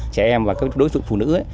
trẻ em và đối tượng phụ nữ